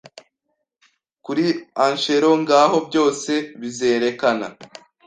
Kuri Acheron ngaho byose bizerekana